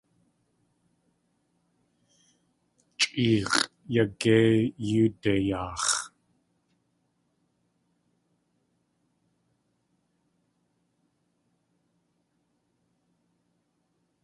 Chʼeex̲ʼ yagéi yóo dei yaax̲.